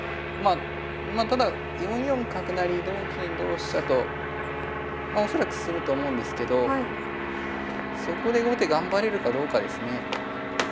まあただ４四角成同金同飛車と恐らく進むと思うんですけどそこで後手頑張れるかどうかですね。